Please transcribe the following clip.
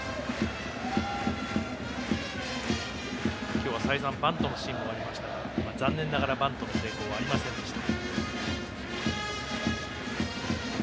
今日は再三バントのシーンがありましたが残念ながら、バントの成功はありませんでした。